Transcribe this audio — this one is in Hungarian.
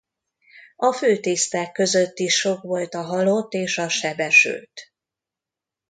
A főtisztek között is sok volt a halott és a sebesült.